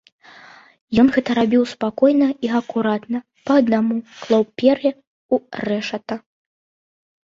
Ён гэта рабіў спакойна і акуратна, па аднаму, клаў пер'е ў рэшата.